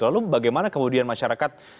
lalu bagaimana kemudian masyarakat